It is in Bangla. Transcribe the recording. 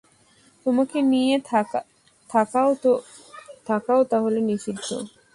তোমাকে নিয়ে থাকাও তা হলে নিষিদ্ধ?